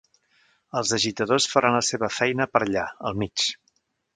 Els agitadors faran la seva feina per allà, al mig.